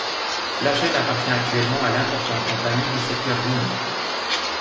La chaîne appartient actuellement à l'importante compagnie du secteur Yum!